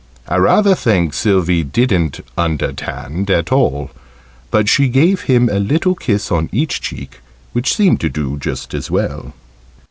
I rather think Sylvie didn't "under'tand" at all; but she gave him a little kiss on each cheek, which seemed to do just as well.